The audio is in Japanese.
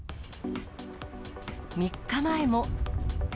３日前も。